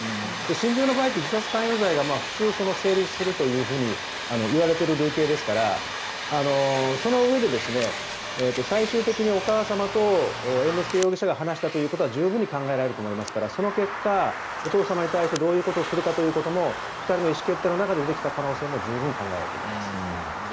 心中の場合は自殺関与罪が成立するといわれている類型ですからそのうえで最終的にお母様と猿之助容疑者が話したということは十分に考えられると思いますからその結果、お父様に対してどういうことをするかも２人の意思決定の中で出てきた可能性も十分に考えられます。